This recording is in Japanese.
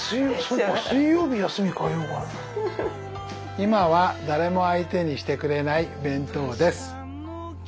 「今は誰も相手にしてくれない弁当」です。